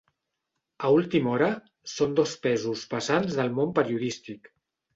A última hora, són dos pesos pesants del món periodístic.